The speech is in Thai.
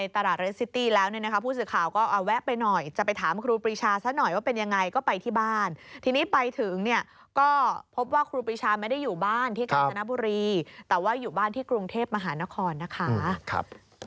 ฟังเสียงค่ะฟังเสียงค่ะฟังเสียงค่ะ